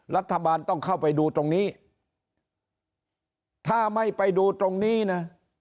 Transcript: รัฐบาลต้องเข้าไปดูตรงนี้ถ้าไม่ไปดูตรงนี้นะ